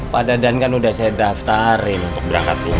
pak dadan kan udah saya daftarin untuk berangkat dulu